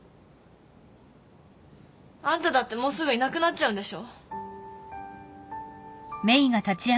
あんただってもうすぐいなくなっちゃうんでしょ。